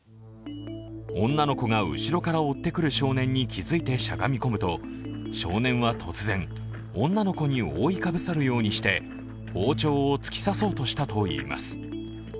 女の子が後ろから追ってくる少年に気づいてしゃがみ込むと、少年は突然、女の子に覆いかぶさるようにして包丁を突き刺そうとしたといいます。